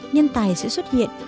nhân tài sẽ xuất hiện